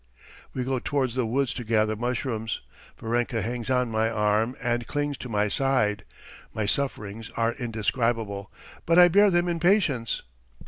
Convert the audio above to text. ..." We go towards the wood to gather mushrooms. Varenka hangs on my arm and clings to my side. My sufferings are indescribable, but I bear them in patience.